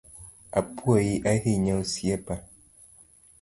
Apuoyi ahinya Osiepa.